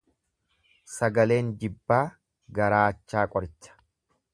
Sagaleen jibbaa garaachaa qoricha.